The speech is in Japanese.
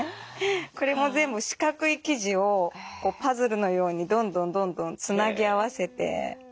これも全部四角い生地をパズルのようにどんどんどんどんつなぎ合わせて。